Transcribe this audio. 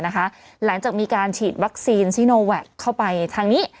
หลังจากมีการฉีดวัคซีนซีโนแวคเข้าไปทางนี้